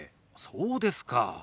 そうですか。